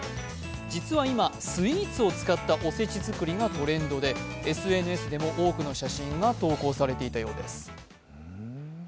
実は今、スイーツを使ったおちせ作りがトレンドで、ＳＮＳでも多くの写真が投稿されていたそうです。